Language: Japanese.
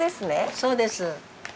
そうです。